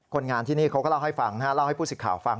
งานที่นี่เขาก็เล่าให้ฟังเล่าให้ผู้สิทธิ์ข่าวฟัง